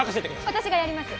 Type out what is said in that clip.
私がやります